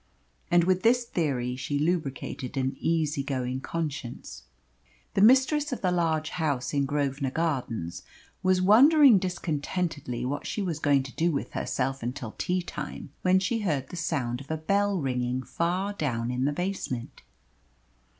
And with this theory she lubricated an easy going conscience. The mistress of the large house in Grosvenor Gardens was wondering discontentedly what she was going to do with herself until tea time, when she heard the sound of a bell ringing far down in the basement.